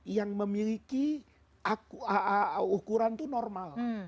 yang memiliki ukuran itu normal